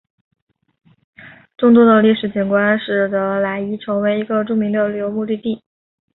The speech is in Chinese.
众多的历史景观使得莱伊成为一个著名的旅游目的地。